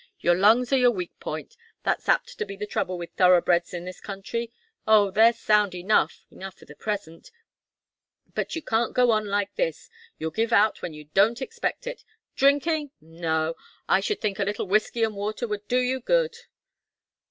Your lungs are your weak point. That's apt to be the trouble with thoroughbreds in this country. Oh they're sound enough enough for the present, but you can't go on like this. You'll give out when you don't expect it. Drinking? No! I should think a little whiskey and water would do you good!"